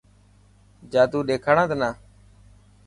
جادو ڏيکاڻا تنا.